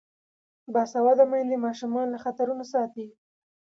باسواده میندې ماشومان له خطرونو ساتي.